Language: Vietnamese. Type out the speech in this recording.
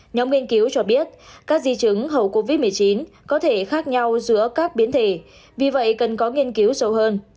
nhóm nghiên cứu cho biết các di chứng hậu covid một mươi chín có thể khác nhau giữa các biến thể vì vậy cần có nghiên cứu sâu hơn